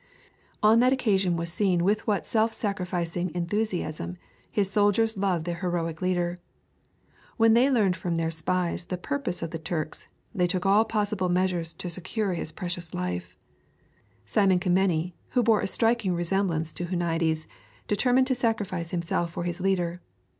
On that occasion was seen with what self sacrificing enthusiasm his soldiers loved their heroic leader. When they learned from their spies the purpose of the Turks, they took all possible measures to secure his precious life. One of their number, Simon Kemeny, who bore a striking resemblance to Huniades, determined to sacrifice himself for his leader.